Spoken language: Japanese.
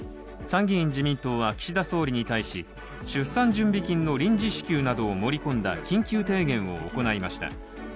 参議院自民党は岸田総理に対し出産準備金の臨時支給などを盛り込んだ緊急提言を行いました。